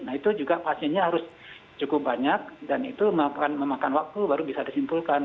nah itu juga pasiennya harus cukup banyak dan itu memakan waktu baru bisa disimpulkan